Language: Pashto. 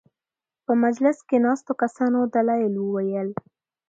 په مجلس کې ناستو کسانو دلایل وویل.